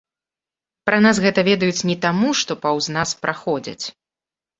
Пра нас гэта ведаюць не таму, што паўз нас праходзяць.